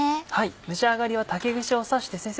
蒸し上がりは竹串を刺して先生